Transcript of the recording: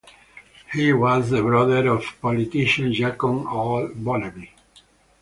He was the brother of politician Jacob Aall Bonnevie.